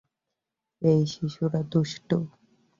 এই শিশুরা দুষ্টু।